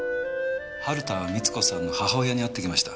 春田美津子さんの母親に会ってきました。